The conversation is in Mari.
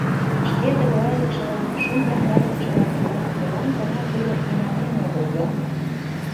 Шке тыглайлыкшылан, шӱм яндарлыкшылан кӧра молан гына тудо инанен огыл гын!